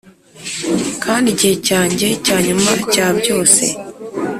kandi igihe cyanjye cyanyuma cya byose